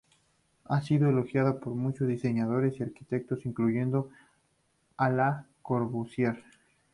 Ha sido elogiada por muchos diseñadores y arquitectos, incluyendo a Le Corbusier.